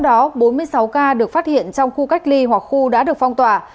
trong đó bốn mươi sáu ca được phát hiện trong khu cách ly hoặc khu đã được phong tỏa